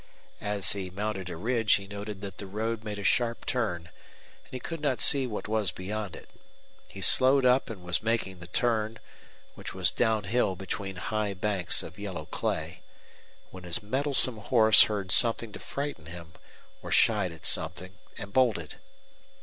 As he mounted a ridge he noted that the road made a sharp turn, and he could not see what was beyond it. He slowed up and was making the turn, which was down hill between high banks of yellow clay, when his mettlesome horse heard something to frighten him or shied at something and bolted.